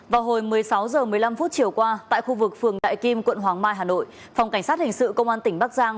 vào hồi một mươi sáu h một mươi năm chiều qua tại khu vực phường đại kim quận hoàng mai hà nội phòng cảnh sát hình sự công an tỉnh bắc giang